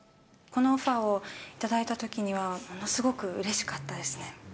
このオファーを頂いたときには、ものすごくうれしかったですね。